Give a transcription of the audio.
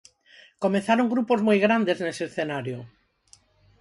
Comezaron grupos moi grandes nese escenario.